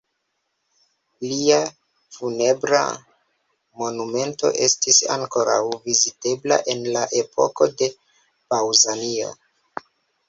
Lia funebra monumento estis ankoraŭ vizitebla en la epoko de Paŭzanio.